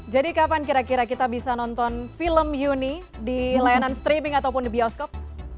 jadi kapan kira kira kita bisa nonton film yuni di layanan streaming ataupun di bioskop